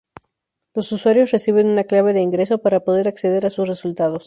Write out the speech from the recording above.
Los usuarios reciben una clave de ingreso para poder acceder a sus resultados.